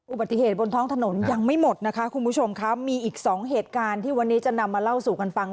อุบัติเหตุบนท้องถนนยังไม่หมดนะคะคุณผู้ชมค่ะมีอีกสองเหตุการณ์ที่วันนี้จะนำมาเล่าสู่กันฟัง